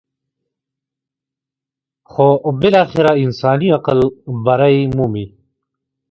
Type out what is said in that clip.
خو بالاخره انساني عقل برۍ مومي.